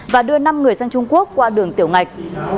và đưa năm người sang trung quốc qua đường tiểu ngạch